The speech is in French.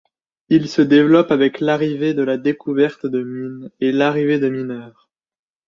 Il se développe avec l'arrivée la découverte de mines et l'arrivée de mineurs.